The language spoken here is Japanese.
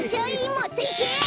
もっといけ！